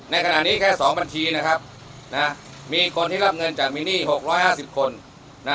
ในขณะนี้แค่สองบัญชีนะครับมีคนที่รับเงินจากมินนี่หกร้อยห้าสิบคน